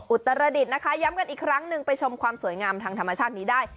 อุตรดิษฐ์นะคะย้ำกันอีกครั้งหนึ่งไปชมความสวยงามทางธรรมชาตินี้ได้